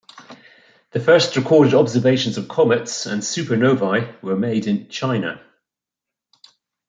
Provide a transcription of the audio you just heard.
The first recorded observations of comets and supernovae were made in China.